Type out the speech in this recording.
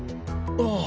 ああ。